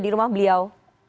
di rumah beliau